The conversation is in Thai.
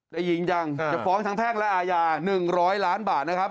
ได้ยินจังจะฟ้องทั้งแพ่งและอาญา๑๐๐ล้านบาทนะครับ